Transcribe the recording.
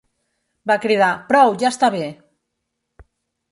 Va cridar: «Prou, ja està bé!